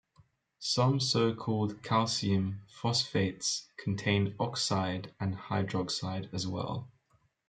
Some so-called calcium phosphates contain oxide and hydroxide as well.